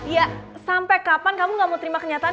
ya sampai kapan kamu gak mau terima kenyataan